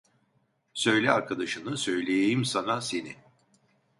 Söyle arkadaşını söyleyeyim sana seni.